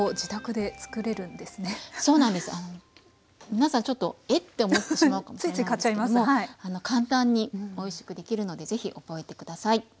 皆さんちょっと「えっ⁉」って思ってしまうかもしれないんですけど簡単においしくできるのでぜひ覚えて下さい。